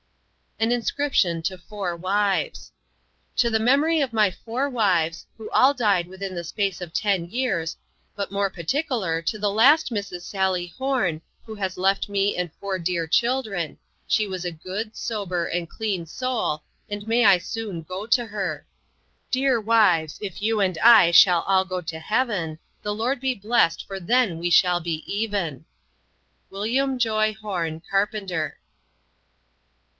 An inscription to four wives: "To the memory of my four wives, who all died within the space of ten years, but more perteckler to the last Mrs. Sally Horne who has left me and four dear children, she was a good, sober and clean soul and may i soon go to her. "Dear wives if you and i shall all go to heaven, The Lord be blest for then we shall be even. "William Joy Horne, Carpenter."